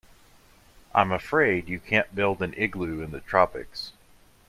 I'm afraid you can't build an igloo in the tropics.